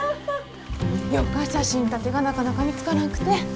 よか写真立てがなかなか見つからんくて。